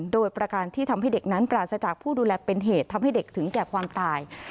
โดยประการที่ทำให้เด็กนั้นปราศจากผู้ดูแลเป็นเหตุทำให้เด็กถึงแก่ความตาย